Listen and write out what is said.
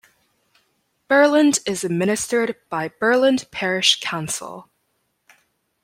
Burland is administered by Burland Parish Council.